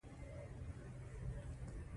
بريا او آريا سره خويندې دي.